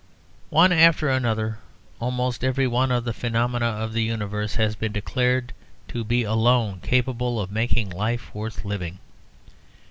One after another almost every one of the phenomena of the universe has been declared to be alone capable of making life worth living.